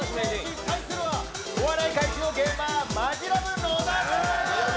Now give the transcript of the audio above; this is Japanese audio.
対するは、お笑い界一のゲーマー、マヂラブ・野田！